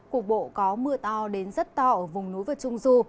cục bộ có mưa to đến rất to ở vùng núi và trung du